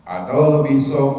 atau lebih sok